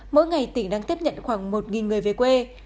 mỗi ngày tỉnh đang tiếp nhận khoảng một người về quê